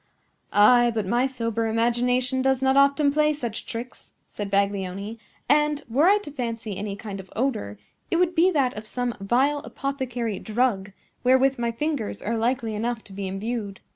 "Ay; but my sober imagination does not often play such tricks," said Baglioni; "and, were I to fancy any kind of odor, it would be that of some vile apothecary drug, wherewith my fingers are likely enough to be imbued.